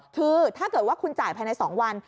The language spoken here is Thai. คือถ้าเกิดว่าคุณจ่ายภายใน๒วัน